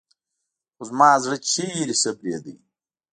خو زما زړه چېرته صبرېده.